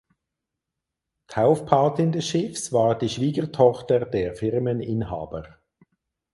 Taufpatin des Schiffs war die Schwiegertochter der Firmeninhaber.